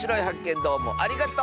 どうもありがとう！